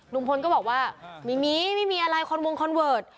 ลุงพลก็บอกว่าไม่มีไม่มีอะไรคอนวงคอนเวิร์ต